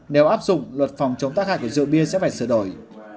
nếu áp dụng luật phòng chống tác hại của dự biên sẽ phải sửa đổi